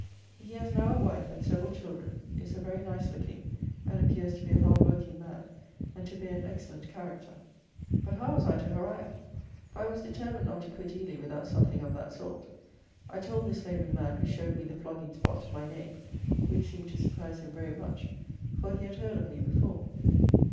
He has now a wife and several children; is a very nice looking, and appears to be a hard working, man, and to bear an excellent character. But how was I to harangue? For I was determined not to quit Ely without something of that sort. I told this labouring man who showed me the flogging spot, my name, which seemed to surprise him very much, for he had heard of me before.